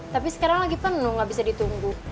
tapi sekarang lagi penuh gak bisa ditunggu